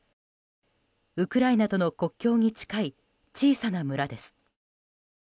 ウクライナとの国境に近い小さな村です。